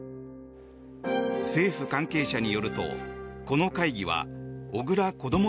政府関係者によるとこの会議は小倉こども